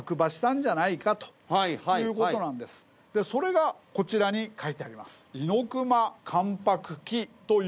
でそれがこちらに書いてあります。